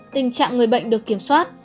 tình trạng người bệnh được kiểm soát